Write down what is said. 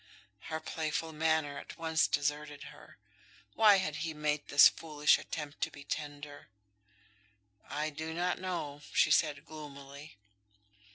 Her playful manner at once deserted her. Why had he made this foolish attempt to be tender? "I do not know," she said, gloomily.